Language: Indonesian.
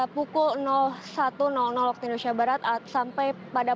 pukul lima belas waktu indonesia barat tadi kepadatan sempat terjadi di gerbang tol palimanan